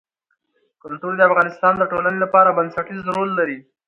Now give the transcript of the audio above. کلتور د افغانستان د ټولنې لپاره بنسټيز رول لري.